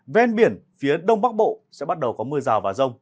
ven biển phía đông bắc bộ sẽ bắt đầu có mưa rào và rông